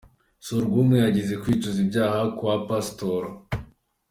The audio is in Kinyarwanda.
Surwumwe yagiye kwicuza ibyaha kwa Pasitoro